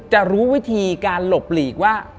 จะรู้วิธีการหลบหลีกว่า